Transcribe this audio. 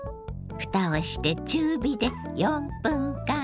蓋をして中火で４分間。